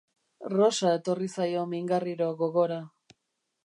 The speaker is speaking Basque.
Rosa etorri zaio mingarriro gogora.